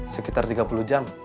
sekitar tiga puluh jam